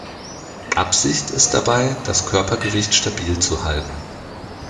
Absicht ist dabei, das Körpergewicht stabil zu halten.